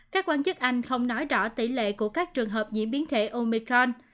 các quan chức anh không nói rõ tỷ lệ của các trường hợp diễn biến thể omicron